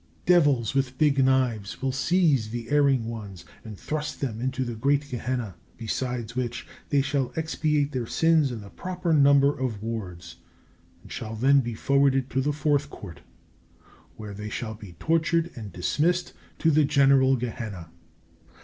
Devils with big knives will seize the erring ones and thrust them into the great Gehenna; besides which they shall expiate their sins in the proper number of wards, and shall then be forwarded to the Fourth Court where they shall be tortured and dismissed to the general Gehenna.